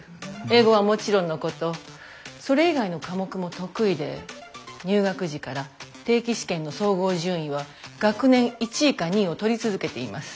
英語はもちろんのことそれ以外の科目も得意で入学時から定期試験の総合順位は学年１位か２位を取り続けています。